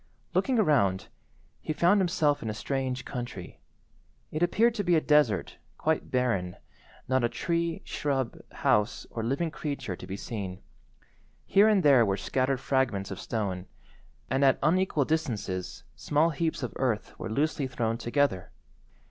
Looking around, he found himself in a strange country. It appeared to be a desert, quite barren, not a tree, shrub, house, or living creature to be seen. Here and there were scattered fragments of stone, and at unequal distances small heaps of earth were loosely thrown together.